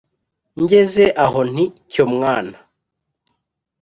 Ngeze aho nti: cyo mwana